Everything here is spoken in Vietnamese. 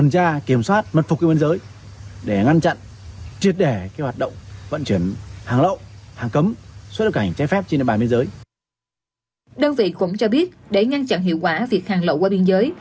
đơn vị cũng cho biết để ngăn chặn hiệu quả việc hàng lậu qua biên giới